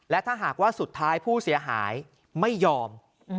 และถ้าหากว่าสุดท้ายผู้เสียหายไม่ยอม